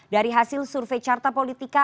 dari hasil survei carta politika